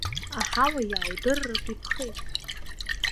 Аҳауа иааудырратә иԥхеит.